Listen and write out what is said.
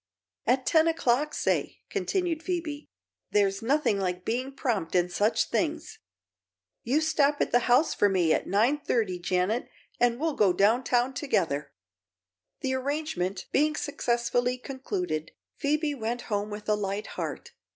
"At ten o'clock, say," continued Phoebe. "There's nothing like being prompt in such things. You stop at the house for me at nine thirty, Janet, and we'll go down town together." The arrangement being successfully concluded, Phoebe went home with a light heart.